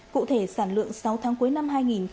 cụ thể sản lượng sáu tháng cuối năm hai nghìn hai mươi